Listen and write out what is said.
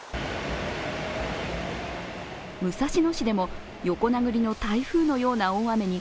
武蔵野市でも横殴りの台風のような大雨に